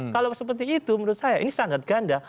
kalau seperti itu menurut saya ini sangat ganda